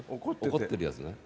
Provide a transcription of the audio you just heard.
怒ってるやつね。